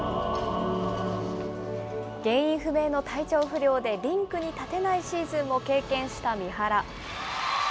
原因不明の体調不良でリンクに立てないシーズンも経験した三原。